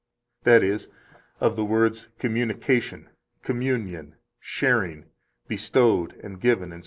that is, of the words "communication," "communion," "sharing," "bestowed and given," etc.